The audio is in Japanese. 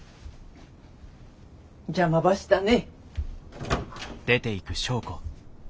邪魔ばしたね。